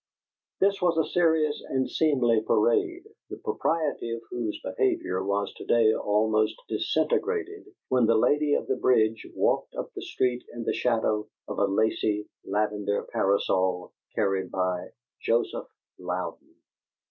This was the serious and seemly parade, the propriety of whose behavior was to day almost disintegrated when the lady of the bridge walked up the street in the shadow of a lacy, lavender parasol carried by Joseph Louden.